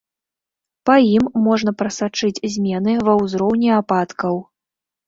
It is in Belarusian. Па ім можна прасачыць змены ва ўзроўні ападкаў.